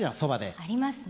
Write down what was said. ありますね。